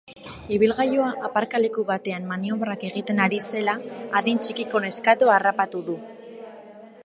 Ibilgailua aparkaleku batean maniobrak egiten ari zela adin txikiko neskatoa harrapatu du.